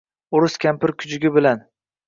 oʼris kampir kuchugi bilan